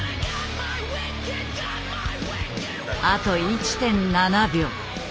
あと１．７秒。